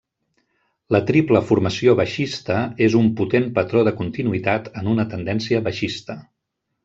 La Triple formació baixista és un potent patró de continuïtat en una tendència baixista.